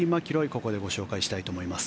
ここでご紹介したいと思います。